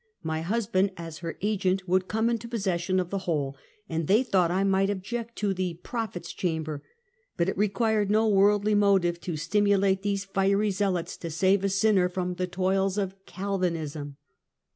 My husband, as her agent, would come into possession of the whole, and they thought I might object to the "prophet's chamber; " but it required no worldly motive to stimulate these fiery zealots to save a sinner from the toils of Calvinism.